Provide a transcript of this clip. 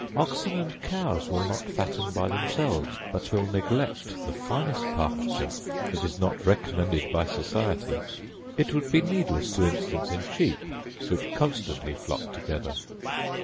Oxen and cows will not fatten by themselves; but will neglect the finest pasture that is not recommended by society. It would be needless to instance in sheep, which constantly flock together.